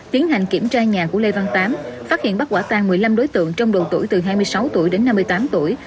tiến hành kiểm tra nhà của lê văn tám phát hiện bắt quả tan một mươi năm đối tượng trong độ tuổi từ hai mươi sáu tuổi đến năm mươi tám tuổi